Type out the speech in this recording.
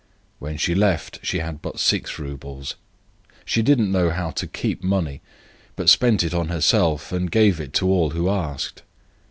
When she left she had but six roubles; she did not know how to keep money, but spent it on herself, and gave to all who asked.